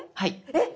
えっ！